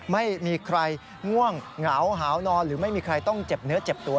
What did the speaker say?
ไม่มีใครง่วงเหงาหาวนอนหรือไม่มีใครต้องเจ็บเนื้อเจ็บตัว